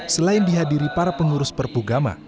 selain dihadiri para pengurus perpugama